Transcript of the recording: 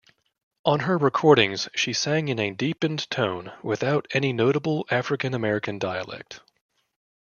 On her recordings she sang in a deepened tone, without any notable African-American dialect.